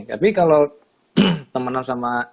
tapi kalo temenan sama